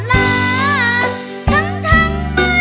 ทั้งทั้งทุกอย่าง